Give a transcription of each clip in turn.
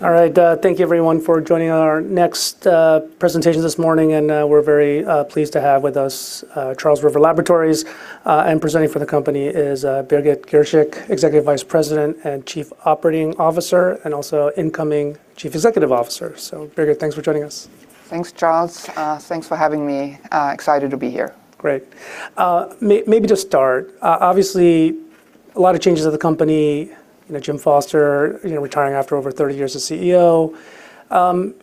All right. Thank you everyone for joining our next presentation this morning, and we're very pleased to have with us Charles River Laboratories. Presenting for the company is Birgit Girshick, Executive Vice President and Chief Operating Officer, and also incoming Chief Executive Officer. Birgit, thanks for joining us. Thanks, Charles. Thanks for having me. Excited to be here. Great. Maybe to start, obviously a lot of changes at the company. You know, Jim Foster, you know, retiring after over 30 years as CEO.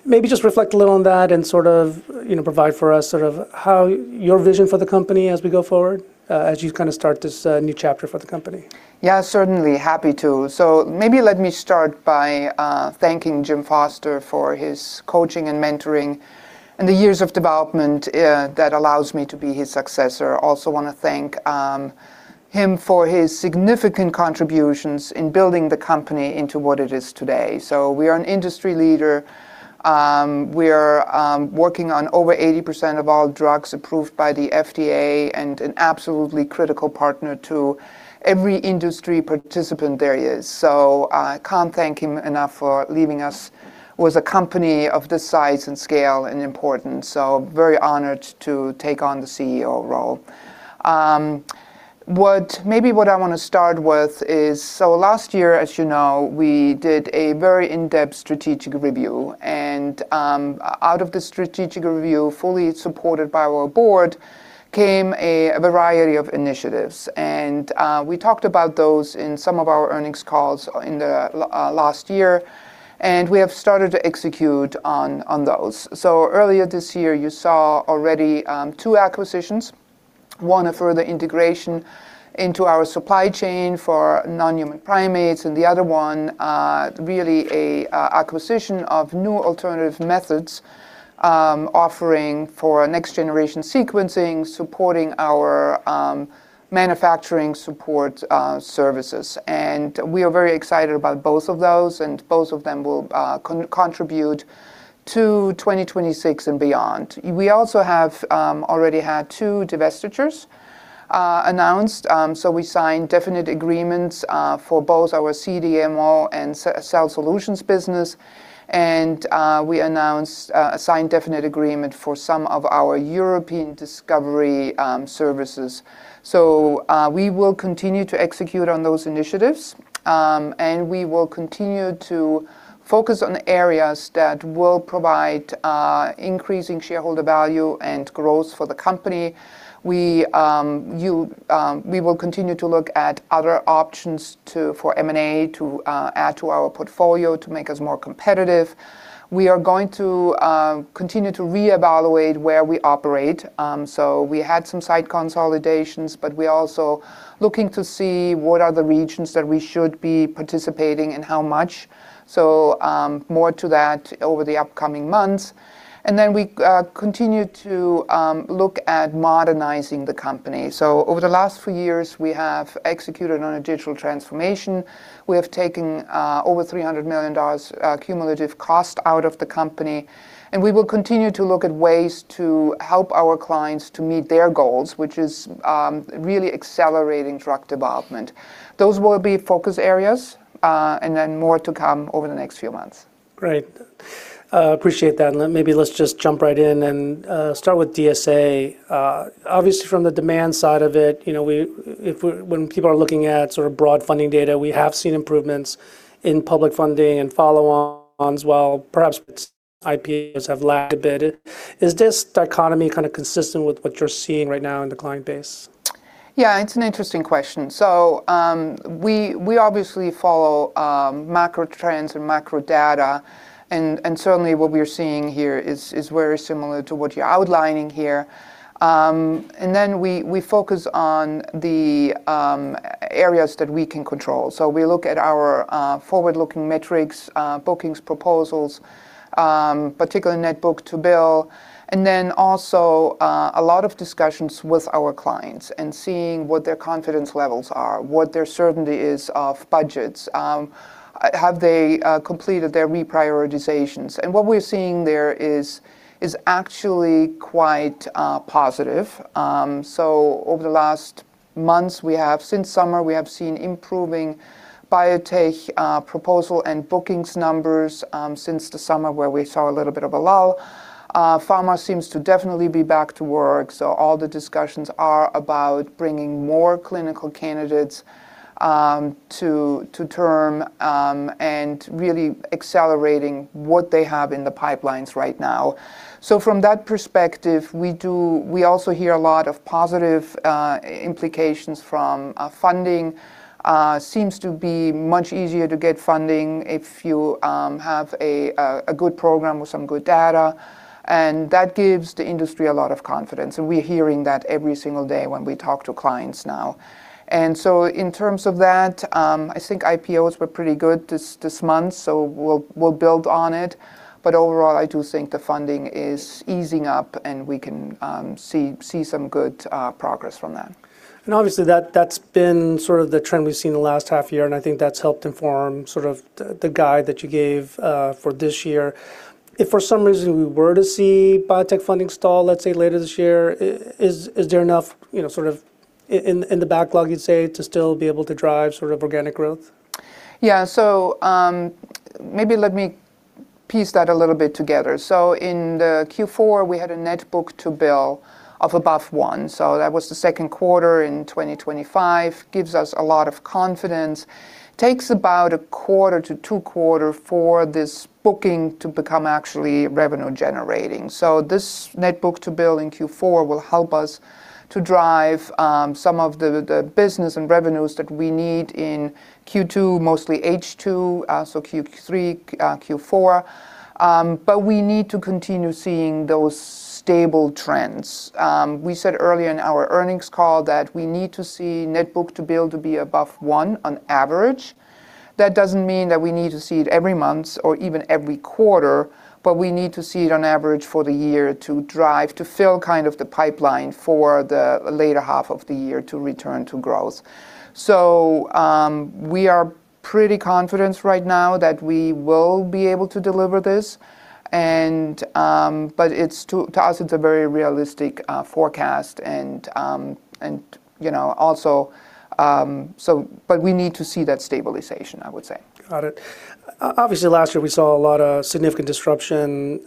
Maybe just reflect a little on that and sort of, you know, provide for us sort of how your vision for the company as we go forward, as you kind of start this new chapter for the company. Yeah, certainly. Happy to. Maybe let me start by thanking Jim Foster for his coaching and mentoring, and the years of development that allows me to be his successor. Also wanna thank him for his significant contributions in building the company into what it is today. We are an industry leader, we are working on over 80% of all drugs approved by the FDA, and an absolutely critical partner to every industry participant there is. I can't thank him enough for leaving us with a company of this size and scale and importance, so very honored to take on the CEO role. Last year, as you know, we did a very in-depth strategic review. Out of the strategic review, fully supported by our board, came a variety of initiatives. We talked about those in some of our earnings calls in the last year. We have started to execute on those. Earlier this year, you saw already two acquisitions, one a further integration into our supply chain for non-human primates. The other one really an acquisition of new alternative methods offering for Next-Generation Sequencing, supporting our manufacturing support services. We are very excited about both of those. Both of them will contribute to 2026 and beyond. We also have already had two divestitures announced. We signed definite agreements for both our CDMO and Cell Solutions business. We announced signed definite agreement for some of our European discovery services. We will continue to execute on those initiatives and we will continue to focus on areas that will provide increasing shareholder value and growth for the company. We will continue to look at other options for M&A to add to our portfolio to make us more competitive. We are going to continue to reevaluate where we operate. We had some site consolidations, but we're also looking to see what are the regions that we should be participating and how much. More to that over the upcoming months. We continue to look at modernizing the company. Over the last few years, we have executed on a digital transformation. We have taken over $300 million cumulative cost out of the company, and we will continue to look at ways to help our clients to meet their goals, which is really accelerating drug development. Those will be focus areas, more to come over the next few months. Great. appreciate that. maybe let's just jump right in and, start with DSA. obviously from the demand side of it, you know, when people are looking at sort of broad funding data, we have seen improvements in public funding and follow-ons, while perhaps IPOs have lagged a bit. Is this dichotomy kind of consistent with what you're seeing right now in the client base? Yeah, it's an interesting question. We, we obviously follow macro trends and macro data and certainly what we are seeing here is very similar to what you're outlining here. Then we focus on the areas that we can control. We look at our forward-looking metrics, bookings, proposals, particularly net book-to-bill. Then also, a lot of discussions with our clients and seeing what their confidence levels are, what their certainty is of budgets, have they completed their reprioritizations. What we're seeing there is actually quite positive. Over the last months, since summer, we have seen improving biotech proposal and bookings numbers since the summer where we saw a little bit of a lull. Pharma seems to definitely be back to work, all the discussions are about bringing more clinical candidates, to term, and really accelerating what they have in the pipelines right now. From that perspective, We also hear a lot of positive implications from funding. Seems to be much easier to get funding if you have a good program with some good data, and that gives the industry a lot of confidence, and we're hearing that every single day when we talk to clients now. In terms of that, I think IPOs were pretty good this month, so we'll build on it. Overall, I do think the funding is easing up, and we can see some good progress from that. Obviously, that's been sort of the trend we've seen in the last half year, and I think that's helped inform sort of the guide that you gave for this year. If for some reason we were to see biotech funding stall, let's say later this year, is there enough, you know, sort of in the backlog, you'd say, to still be able to drive sort of organic growth? Yeah. Maybe let me piece that a little bit together. In the Q4, we had a net book-to-bill of above one. That was the second quarter in 2025. Gives us a lot of confidence. Takes about a quarter to two quarters for this booking to become actually revenue generating. This net book-to-bill in Q4 will help us to drive some of the business and revenues that we need in Q2, mostly H2, so Q3, Q4. We need to continue seeing those stable trends. We said early in our earnings call that we need to see net book-to-bill to be above one on average. That doesn't mean that we need to see it every month or even every quarter, but we need to see it on average for the year to drive, to fill kind of the pipeline for the later half of the year to return to growth. We are pretty confident right now that we will be able to deliver this and, but to us, it's a very realistic forecast and, you know, also. But we need to see that stabilization, I would say. Got it. obviously, last year we saw a lot of significant disruption,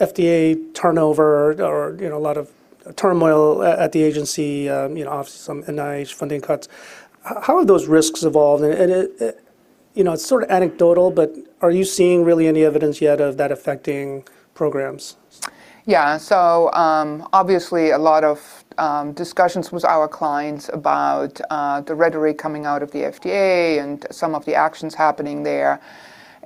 FDA turnover or, you know, a lot of turmoil at the agency, you know, obviously some NIH funding cuts. How have those risks evolved? you know, it's sort of anecdotal, but are you seeing really any evidence yet of that affecting programs? Yeah. Obviously, a lot of discussions with our clients about the rhetoric coming out of the FDA and some of the actions happening there.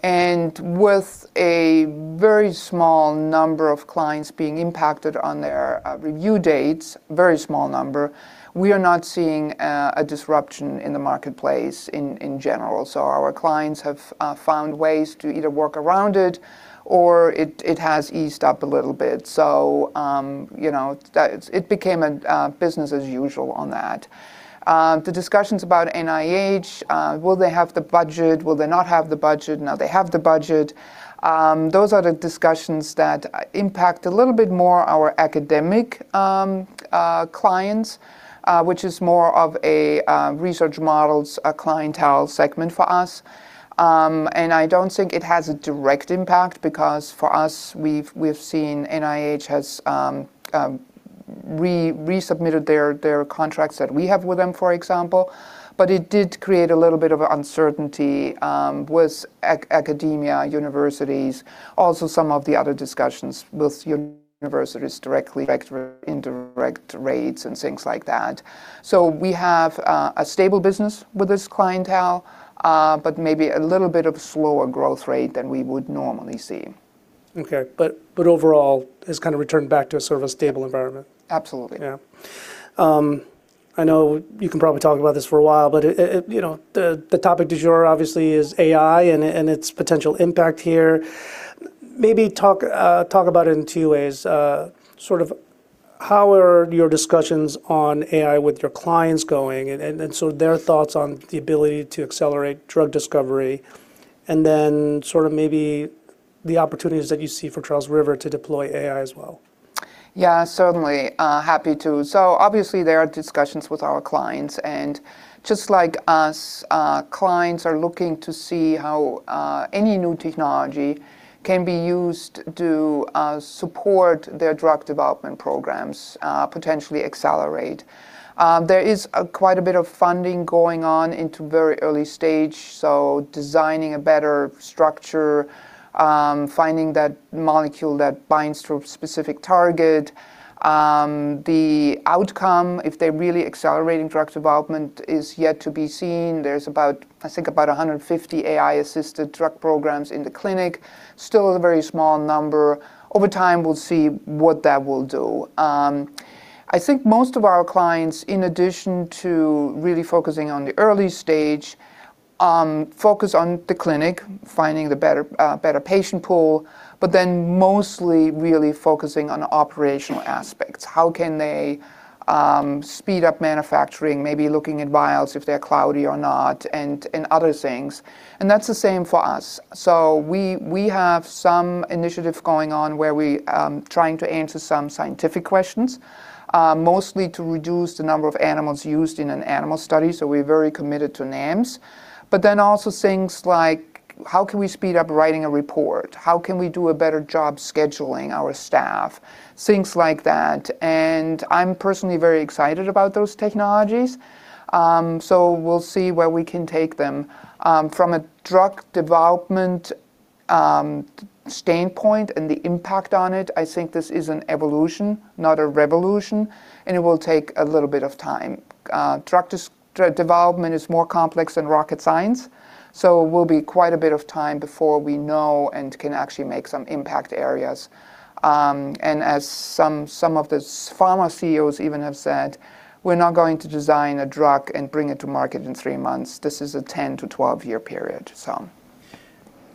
With a very small number of clients being impacted on their review dates, very small number, we are not seeing a disruption in the marketplace in general. Our clients have found ways to either work around it or it has eased up a little bit. You know, it became a business as usual on that. The discussions about NIH, will they have the budget? Will they not have the budget? Now they have the budget. Those are the discussions that impact a little bit more our academic clients, which is more of a research models, a clientele segment for us. And I don't think it has a direct impact because for us, we've seen NIH has resubmitted their contracts that we have with them, for example. It did create a little bit of uncertainty with academia, universities, also some of the other discussions with universities directly, direct to indirect rates and things like that. We have a stable business with this clientele, but maybe a little bit of slower growth rate than we would normally see. Okay. Overall, it's kind of returned back to a sort of a stable environment. Absolutely. I know you can probably talk about this for a while, but you know, the topic du jour obviously is AI and its potential impact here. Maybe talk about it in two ways. Sort of how are your discussions on AI with your clients going, and so their thoughts on the ability to accelerate drug discovery, and then sort of maybe the opportunities that you see for Charles River to deploy AI as well. Yeah, certainly. Happy to. Obviously, there are discussions with our clients. Just like us, clients are looking to see how any new technology can be used to support their drug development programs, potentially accelerate. There is quite a bit of funding going on into very early stage, so designing a better structure, finding that molecule that binds to a specific target. The outcome, if they're really accelerating drug development is yet to be seen. There's about, I think, about 150 AI-assisted drug programs in the clinic. Still a very small number. Over time, we'll see what that will do. I think most of our clients, in addition to really focusing on the early stage, focus on the clinic, finding the better patient pool, mostly really focusing on operational aspects. How can they speed up manufacturing, maybe looking at vials if they're cloudy or not, and other things. That's the same for us. We have some initiatives going on where we trying to answer some scientific questions, mostly to reduce the number of animals used in an animal study. We're very committed to NAMs. Also things like, how can we speed up writing a report? How can we do a better job scheduling our staff? Things like that. I'm personally very excited about those technologies. We'll see where we can take them. From a drug development standpoint and the impact on it, I think this is an evolution, not a revolution, and it will take a little bit of time. Drug development is more complex than rocket science. Will be quite a bit of time before we know and can actually make some impact areas. As some of the pharma CEOs even have said, we're not going to design a drug and bring it to market in three months. This is a 10-12 year period.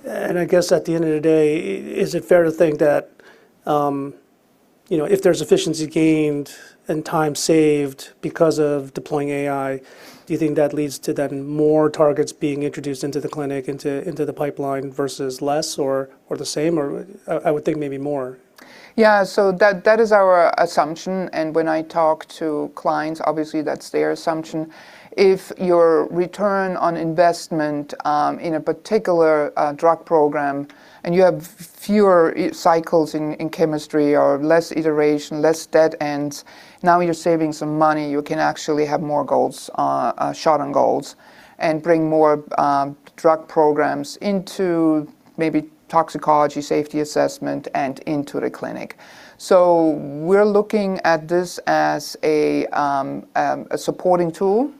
I guess at the end of the day, is it fair to think that, you know, if there's efficiency gained and time saved because of deploying AI, do you think that leads to then more targets being introduced into the clinic, into the pipeline versus less or the same? I would think maybe more. Yeah. That is our assumption, and when I talk to clients, obviously, that's their assumption. If your return on investment in a particular drug program, and you have fewer cycles in chemistry or less iteration, less dead ends, now you're saving some money, you can actually have more goals shot on goals, and bring more drug programs into maybe toxicology, safety assessment, and into the clinic. We're looking at this as a supporting tool.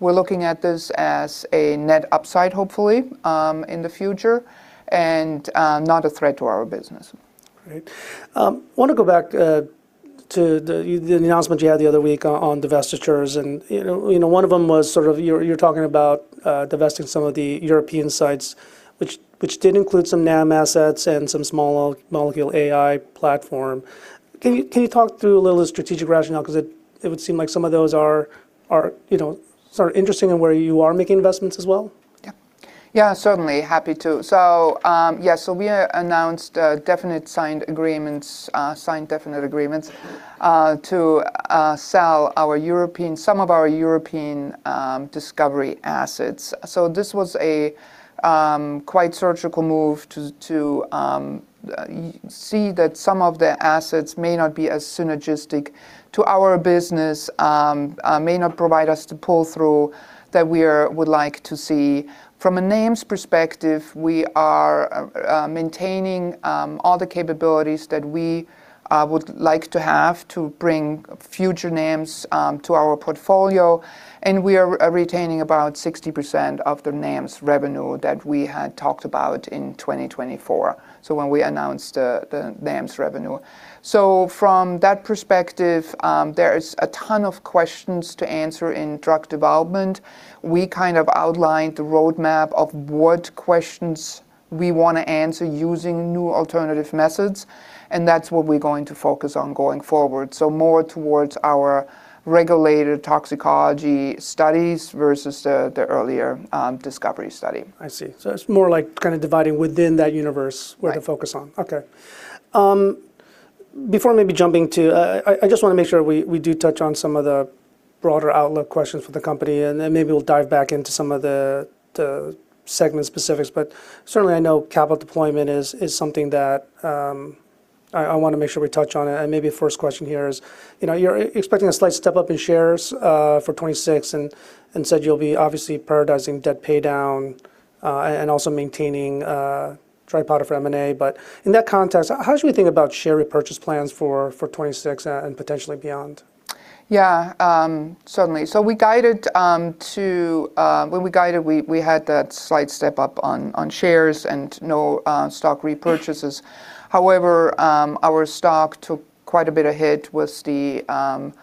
We're looking at this as a net upside, hopefully, in the future, and not a threat to our business. Great. Wanna go back to the announcement you had the other week on divestitures and, you know, one of them was sort of you're talking about divesting some of the European sites which did include some NAM assets and some small molecule AI platform. Can you talk through a little of the strategic rationale? It would seem like some of those are, you know, sort of interesting in where you are making investments as well. Yeah. Yeah, certainly. Happy to. Yeah, so we announced definite signed agreements, signed definite agreements, to sell our European some of our European discovery assets. This was a quite surgical move to see that some of the assets may not be as synergistic to our business, may not provide us the pull-through that we would like to see. From a NAMS perspective, we are maintaining all the capabilities that we would like to have to bring future NAMS to our portfolio, and we are retaining about 60% of the NAMS revenue that we had talked about in 2024. When we announced the NAMS revenue. From that perspective, there is a ton of questions to answer in drug development. We kind of outlined the roadmap of what questions we wanna answer using new alternative methods, and that's what we're going to focus on going forward. More towards our regulated toxicology studies versus the earlier, discovery study. I see. It's more like kinda dividing within that universe. Right ...where to focus on. Okay. Before maybe jumping to... I just wanna make sure we do touch on some of the broader outlook questions for the company, and then maybe we'll dive back into some of the segment specifics, but certainly I know capital deployment is something that, I wanna make sure we touch on it. Maybe first question here is, you know, you're expecting a slight step up in shares for 2026 and said you'll be obviously prioritizing debt paydown and also maintaining a tripod for M&A. In that context, how should we think about share repurchase plans for 2026 and potentially beyond? Yeah, certainly. We guided to when we guided we had that slight step up on shares and no stock repurchases. However, our stock took quite a bit of hit with the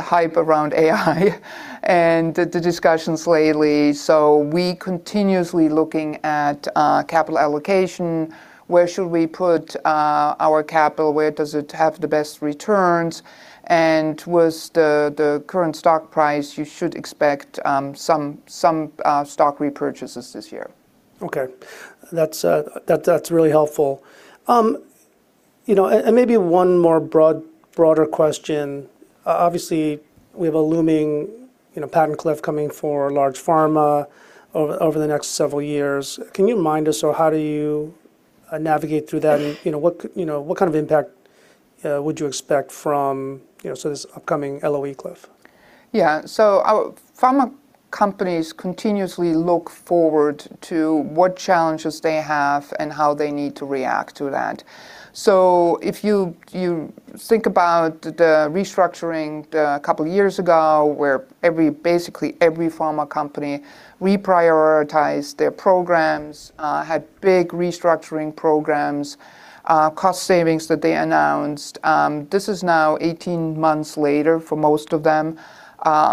hype around AI and the discussions lately. We continuously looking at capital allocation, where should we put our capital, where does it have the best returns? With the current stock price, you should expect some stock repurchases this year. Okay. That's, that's really helpful. You know, and maybe one more broad, broader question. Obviously, we have a looming, you know, patent cliff coming for large pharma over the next several years. Can you remind us or how do you navigate through that? You know, what you know, what kind of impact would you expect from, you know, so this upcoming LOE cliff? Our pharma companies continuously look forward to what challenges they have and how they need to react to that. If you think about the restructuring, the couple years ago, where basically every pharma company reprioritized their programs, had big restructuring programs, cost savings that they announced. This is now 18 months later for most of them.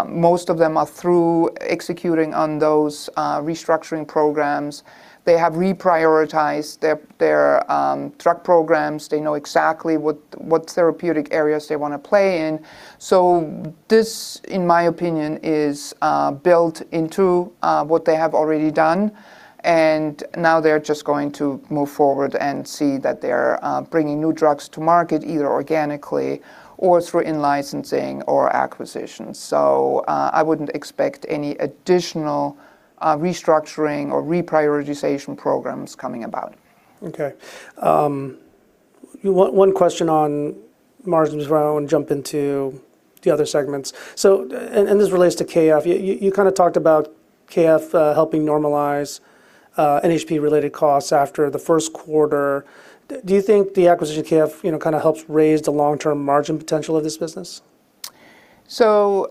Most of them are through executing on those restructuring programs. They have reprioritized their drug programs. They know exactly what therapeutic areas they wanna play in. This, in my opinion, is built into what they have already done, and now they're just going to move forward and see that they're bringing new drugs to market, either organically or through in-licensing or acquisitions. I wouldn't expect any additional restructuring or reprioritization programs coming about. Okay. one question on margins before I wanna jump into the other segments. This relates to K.F.. You kinda talked about K.F., helping normalize NHP-related costs after the first quarter. Do you think the acquisition of K.F., you know, kinda helps raise the long-term margin potential of this business?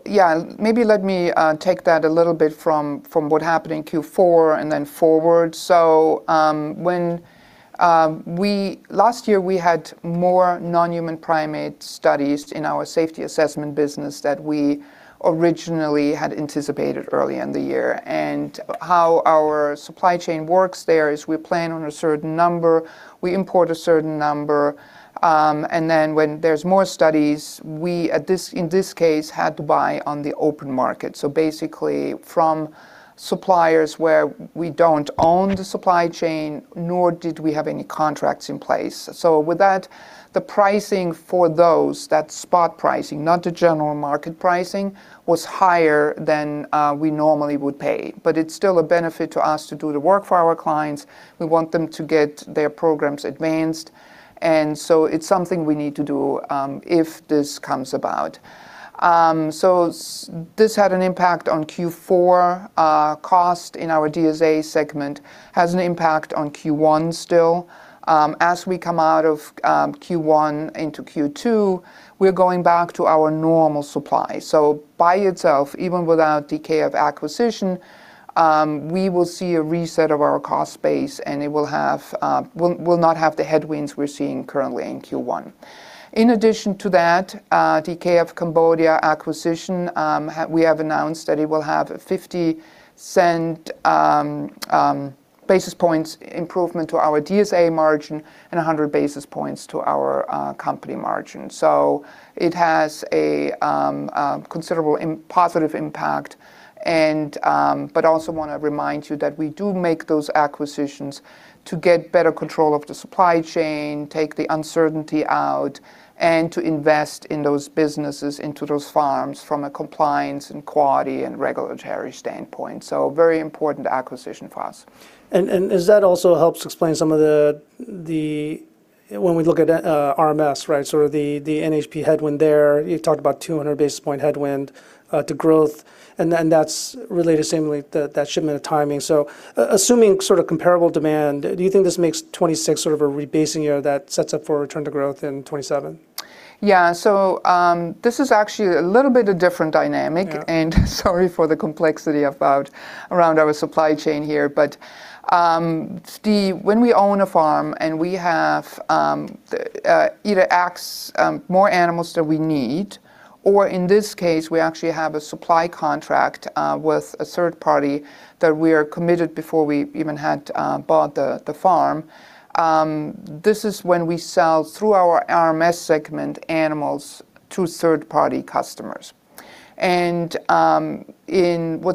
Yeah, maybe let me take that a little bit from what happened in Q4 and forward. Last year we had more non-human primate studies in our safety assessment business that we originally had anticipated early in the year. How our supply chain works there is we plan on a certain number, we import a certain number, when there's more studies, in this case, had to buy on the open market. Basically from suppliers where we don't own the supply chain, nor did we have any contracts in place. With that, the pricing for those, that spot pricing, not the general market pricing, was higher than we normally would pay. It's still a benefit to us to do the work for our clients. We want them to get their programs advanced. It's something we need to do if this comes about. This had an impact on Q4. Cost in our DSA segment has an impact on Q1 still. As we come out of Q1 into Q2, we're going back to our normal supply. By itself, even without DKF acquisition, we will see a reset of our cost base, and it will not have the headwinds we're seeing currently in Q1. In addition to that, K.F. Cambodia acquisition, we have announced that it will have a 50 cent basis points improvement to our DSA margin and 100 basis points to our company margin. it has a considerable positive impact and, but also wanna remind you that we do make those acquisitions to get better control of the supply chain, take the uncertainty out, and to invest in those businesses, into those farms from a compliance and quality and regulatory standpoint. very important acquisition for us. Is that also helps explain some of the when we look at RMS, right? You've talked about 200 basis point headwind to growth, and then that's related similarly to that shipment of timing. Assuming sort of comparable demand, do you think this makes 2026 sort of a rebasing year that sets up for a return to growth in 2027? Yeah. This is actually a little bit a different dynamic. Yeah. Sorry for the complexity about around our supply chain here. Steve, when we own a farm and we have either more animals than we need, or in this case, we actually have a supply contract with a third party that we are committed before we even had bought the farm, this is when we sell through our RMS segment animals to third party customers. What's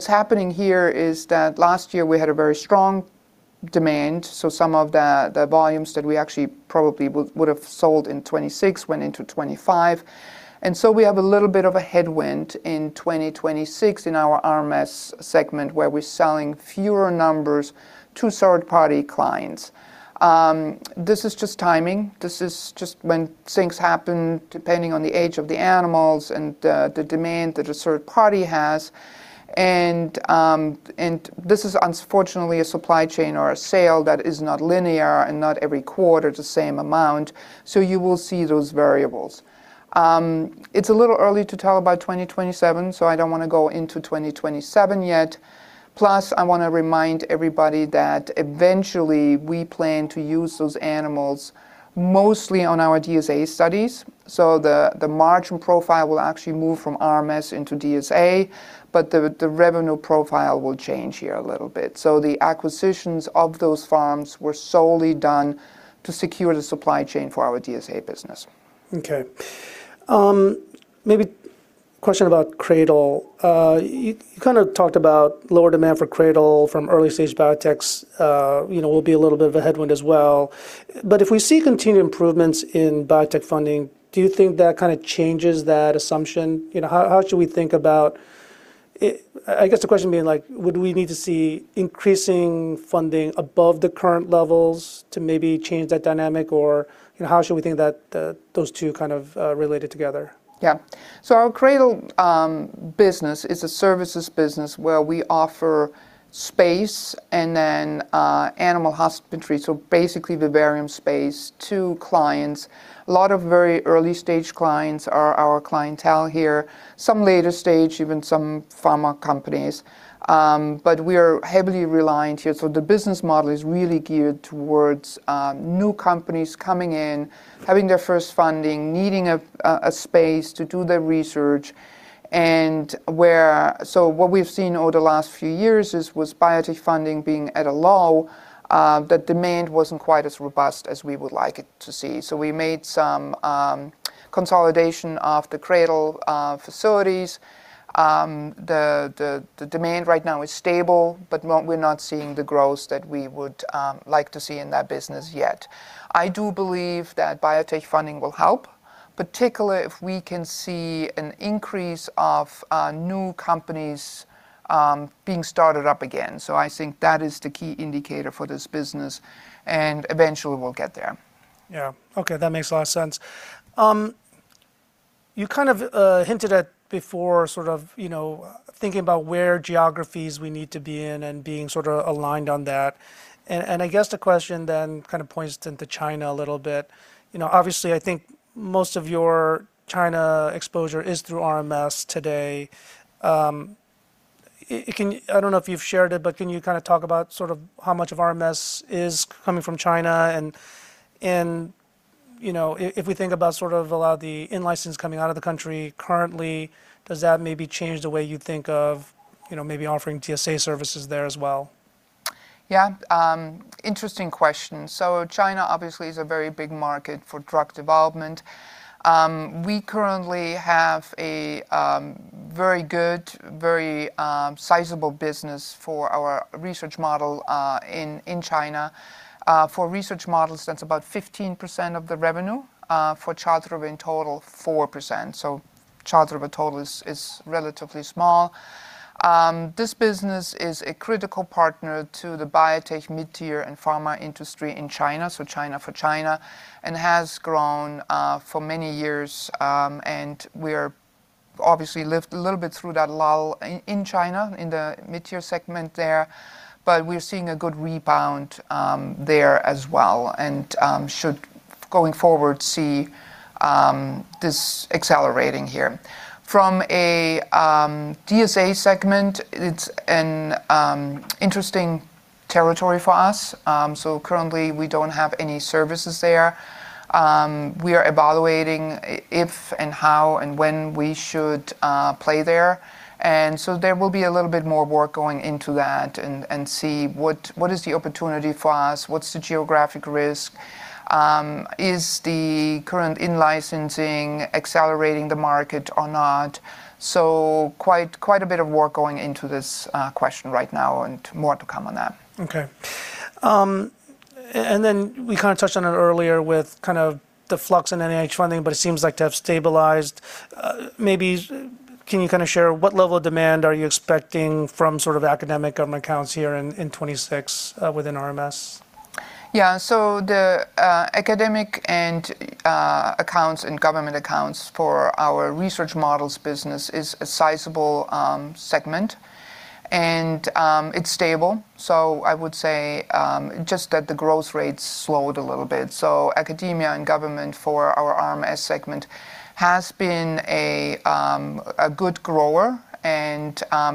happening here is that last year we had a very strong demand, so some of the volumes that we actually probably would have sold in 2026 went into 2025. So we have a little bit of a headwind in 2026 in our RMS segment, where we're selling fewer numbers to third party clients. This is just timing. This is just when things happen, depending on the age of the animals and the demand that a third party has. This is unfortunately a supply chain or a sale that is not linear and not every quarter the same amount. You will see those variables. It's a little early to tell about 2027, so I don't wanna go into 2027 yet. Plus, I wanna remind everybody that eventually we plan to use those animals mostly on our DSA studies. The margin profile will actually move from RMS into DSA, but the revenue profile will change here a little bit. The acquisitions of those farms were solely done to secure the supply chain for our DSA business. Okay. Maybe question about CRADL. You kinda talked about lower demand for CRADL from early stage biotechs, you know, will be a little bit of a headwind as well. If we see continued improvements in biotech funding, do you think that kinda changes that assumption? You know, I guess the question being like, would we need to see increasing funding above the current levels to maybe change that dynamic? Or, you know, how should we think that those two kind of related together? Yeah. Our CRADL business is a services business where we offer space and then animal hospitality, so basically vivarium space to clients. A lot of very early stage clients are our clientele here, some later stage, even some pharma companies. We're heavily reliant here. The business model is really geared towards new companies coming in, having their first funding, needing a space to do their research. What we've seen over the last few years is, was biotech funding being at a low, the demand wasn't quite as robust as we would like it to see. We made some consolidation of the CRADL facilities. The demand right now is stable, but we're not seeing the growth that we would like to see in that business yet. I do believe that biotech funding will help, particularly if we can see an increase of new companies being started up again. I think that is the key indicator for this business, and eventually we'll get there. Yeah. Okay. That makes a lot of sense. You kind of hinted at before sort of, you know, thinking about where geographies we need to be in and being sort of aligned on that. I guess the question then kind of points into China a little bit. You know, obviously I think most of your China exposure is through RMS today. It, I don't know if you've shared it, but can you kinda talk about sort of how much of RMS is coming from China? If we think about sort of a lot of the in-license coming out of the country currently, does that maybe change the way you think of, you know, maybe offering DSA services there as well? Yeah. Interesting question. China obviously is a very big market for drug development. We currently have a very good, very sizable business for our research model in China. For research models, that's about 15% of the revenue for Charles River in total, 4%. Charles River total is relatively small. This business is a critical partner to the biotech, mid-tier, and pharma industry in China, so China for China, and has grown for many years, and we're obviously lived a little bit through that lull in China, in the mid-tier segment there. We're seeing a good rebound there as well, and should, going forward, see this accelerating here. From a DSA segment, it's an interesting territory for us. Currently we don't have any services there. We are evaluating if and how and when we should play there. There will be a little bit more work going into that and see what is the opportunity for us, what's the geographic risk, is the current in-licensing accelerating the market or not. Quite a bit of work going into this question right now, and more to come on that. Okay. We kinda touched on it earlier with kind of the flux in NIH funding, but it seems like to have stabilized. Maybe can you kinda share what level of demand are you expecting from sort of academic government accounts here in 26, within RMS? The academic and accounts and government accounts for our research models business is a sizable segment. It's stable. I would say just that the growth rate slowed a little bit. Academia and government for our RMS segment has been a good grower.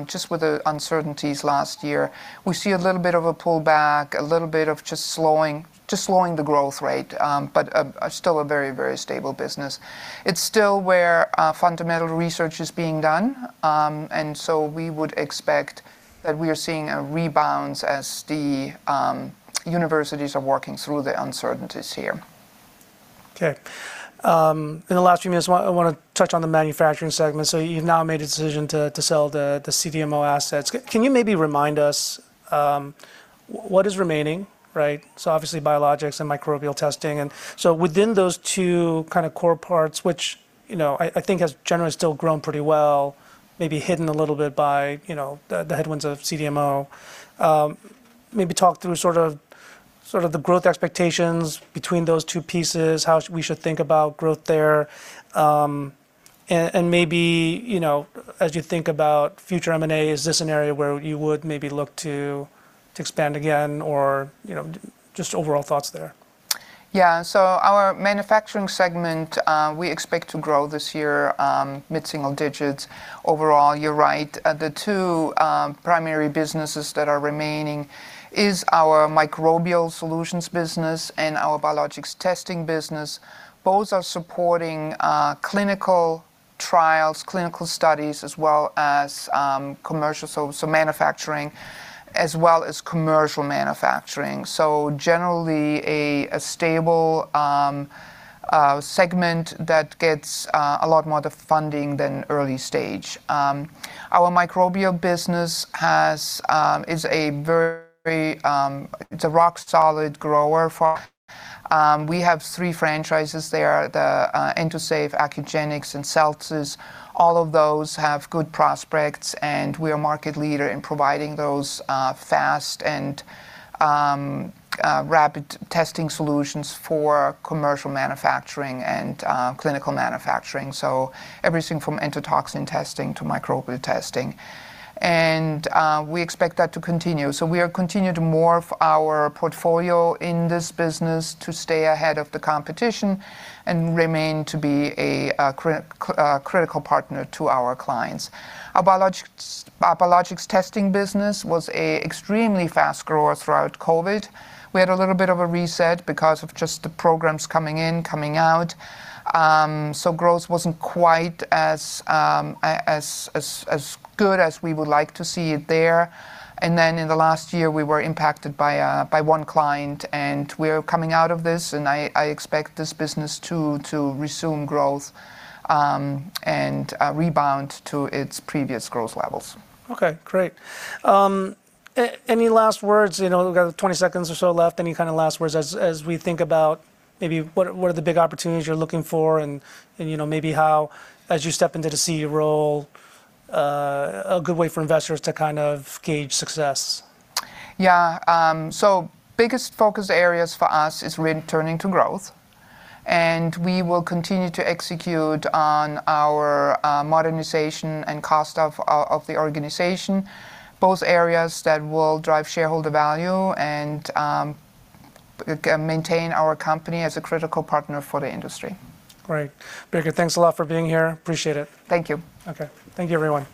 Just with the uncertainties last year, we see a little bit of a pullback, a little bit of just slowing the growth rate, but still a very, very stable business. It's still where fundamental research is being done. We would expect that we are seeing a rebound as the universities are working through the uncertainties here. Okay. In the last few minutes, I wanna touch on the manufacturing segment. You've now made a decision to sell the CDMO assets. Can you maybe remind us what is remaining, right? Obviously biologics and microbial testing. Within those two kinda core parts, which, you know, I think has generally still grown pretty well, maybe hidden a little bit by, you know, the headwinds of CDMO, maybe talk through sort of the growth expectations between those two pieces, how we should think about growth there. And maybe, you know, as you think about future M&A, is this an area where you would maybe look to expand again or, you know, just overall thoughts there. Yeah. Our manufacturing segment, we expect to grow this year, mid-single digits. Overall, you're right. The two primary businesses that are remaining is our microbial solutions business and our biologics testing business. Both are supporting clinical trials, clinical studies, as well as commercial. Manufacturing as well as commercial manufacturing. Generally a stable segment that gets a lot more of the funding than early stage. Our microbial business has is a very. It's a rock solid grower for us. We have three franchises there, the Endosafe, Accugenix, and Celsis. All of those have good prospects, and we're market leader in providing those fast and rapid testing solutions for commercial manufacturing and clinical manufacturing. Everything from endotoxin testing to microbial testing. We expect that to continue. We are continue to morph our portfolio in this business to stay ahead of the competition and remain to be a critical partner to our clients. Our biologics testing business was a extremely fast grower throughout COVID. We had a little bit of a reset because of just the programs coming in, coming out. Growth wasn't quite as good as we would like to see it there. In the last year, we were impacted by one client, and we're coming out of this, and I expect this business to resume growth and rebound to its previous growth levels. Okay, great. Any last words? You know, we've got 20 seconds or so left. Any kinda last words as we think about maybe what are the big opportunities you're looking for and you know, maybe how, as you step into the CEO role, a good way for investors to kind of gauge success. Yeah. Biggest focus areas for us is returning to growth. We will continue to execute on our modernization and cost of the organization, both areas that will drive shareholder value and maintain our company as a critical partner for the industry. Great. Birgit, thanks a lot for being here. Appreciate it. Thank you. Okay. Thank you, everyone.